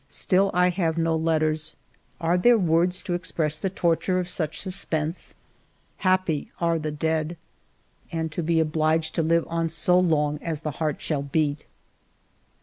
Still I have no letters. Are there words to ex press the torture of such suspense? Happy are the dead ! And to be obliged to live on so long as the heart shall beat